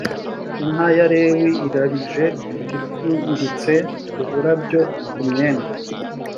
inka ya lewi irabije ipfunditse uburabyo kumyenda